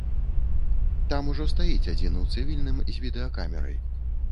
Там ужо стаіць адзін у цывільным з відэакамерай.